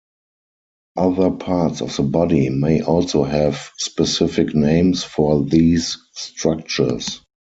Other parts of the body may also have specific names for these structures.